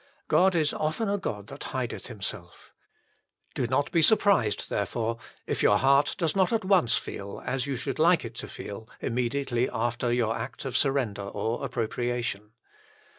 God is often a God that hideth Himself : do not be surprised, therefore, if your heart does not at once feel, as you should like it to feel, immediately after your act of surrender or appropriation.